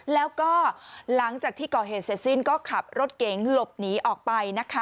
แล้วก็หลังจากที่ก่อเหตุเสร็จสิ้นก็ขับรถเก๋งหลบหนีออกไปนะคะ